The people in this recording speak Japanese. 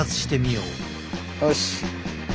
よし。